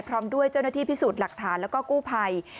พร้อมด้วยเจ้าหน้าที่พิสูจน์หลักฐานแล้วก็กู้ภัย